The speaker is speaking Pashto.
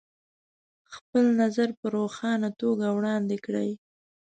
خپل نظر په روښانه توګه وړاندې کړئ.